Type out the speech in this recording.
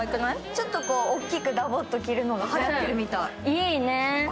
ちょっと大きくダボッと着るのがはやってるみたい。